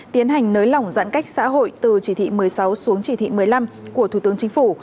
tiến hành nới lỏng giãn cách xã hội từ chỉ thị một mươi sáu xuống chỉ thị một mươi năm của thủ tướng chính phủ